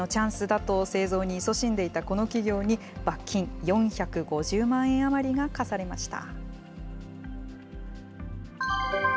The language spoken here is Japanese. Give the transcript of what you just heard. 大もうけのチャンスだと製造にいそしんでいたこの企業に、罰金４５０万円余りが科されました。